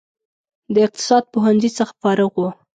د اقتصاد پوهنځي څخه فارغ و.